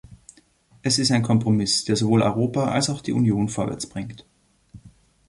Es ist ein Kompromiss, der sowohl Europa als auch die Union vorwärtsbringt.